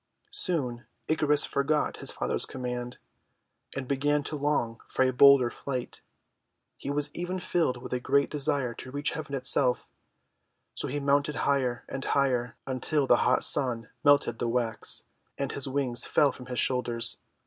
Soon Icarus forgot his father's command, and THE MAN IN THE MOON 251 began to long for a bolder flight. He was even filled with a great desire to reach Heaven itself. So he mounted higher and higher, until the hot Sun melted the wax, and his wings fell from his shoulders.